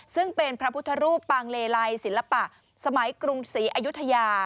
ซึ่งเป็นพระพุทธรูปปางเลไลศิลปะสมัยกรุงศรีอายุทยา